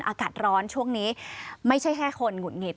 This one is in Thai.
อากาศร้อนช่วงนี้ไม่ใช่แค่คนหงุดหงิด